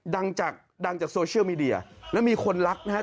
ดังจากดังจากโซเชียลมีเดียแล้วมีคนรักนะฮะ